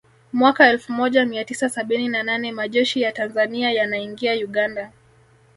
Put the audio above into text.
Mwaka elfu moja mia tisa sabini na nane Majeshi ya Tanzania yanaingia Uganda